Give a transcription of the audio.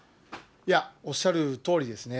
いや、おっしゃるとおりですね。